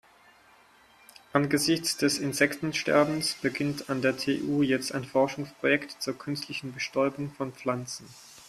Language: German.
Angesichts des Insektensterbens beginnt an der TU jetzt ein Forschungsprojekt zur künstlichen Bestäubung von Pflanzen.